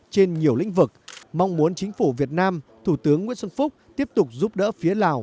trên nhiều lĩnh vực mong muốn chính phủ việt nam thủ tướng nguyễn xuân phúc tiếp tục giúp đỡ phía lào